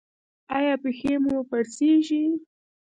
ایا پښې مو پړسیږي؟